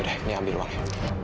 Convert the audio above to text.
yaudah ini ambil uang ya